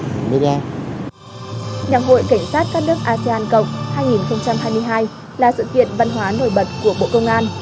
ngày hội cảnh sát các nước asean cộng hai nghìn hai mươi hai là sự kiện văn hóa nổi bật của bộ công an